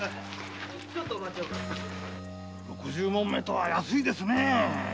六十匁とは安いですな。